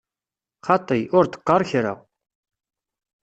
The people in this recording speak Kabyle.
Xaṭi, ur d-qqar kra!